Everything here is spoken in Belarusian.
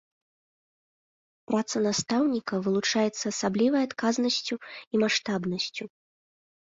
Праца настаўніка вылучаецца асаблівай адказнасцю і маштабнасцю.